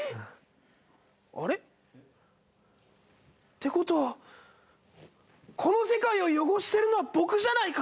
あれ？ってことはこの世界を汚してるのは僕じゃないか！